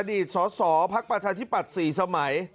อดีตสอสอภักดิ์ประชาชิบัติ๔สมัย